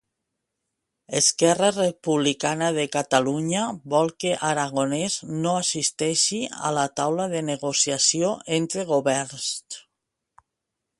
Esquerra Republicana de Catalunya vol que Aragonès no assisteixi a la taula de negociació entre governs.